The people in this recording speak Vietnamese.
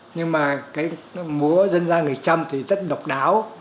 nhưng mà cái múa dân gian người trăm thì rất độc đáo